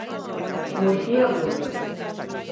Muxía-Buño.